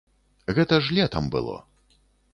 Гэта ж летам было.